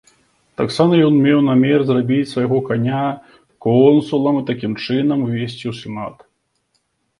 Таксама ён меў намер зрабіць свайго каня консулам і такім чынам увесці ў сенат.